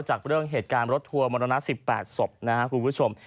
จากเรื่องเหตุการณ์รถทัวร์มรณนัก๑๘ศพ